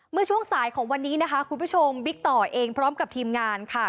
เมื่อช่วงสายของวันนี้นะคะคุณผู้ชมบิ๊กต่อเองพร้อมกับทีมงานค่ะ